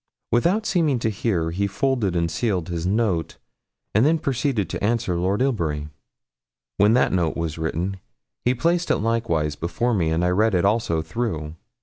Without seeming to hear, he folded and sealed his note, and then proceeded to answer Lord Ilbury. When that note was written, he placed it likewise before me, and I read it also through.